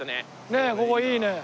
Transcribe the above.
ねえここいいね。